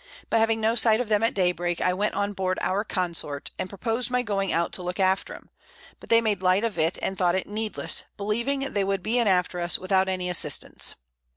But having no sight of them at Day break, I went on board our Consort, and propos'd my going out to look after 'em; but they made Light of it and thought it needless, believing they would be in after us, without any Assistance.